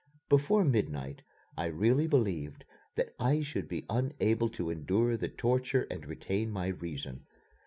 Before midnight I really believed that I should be unable to endure the torture and retain my reason.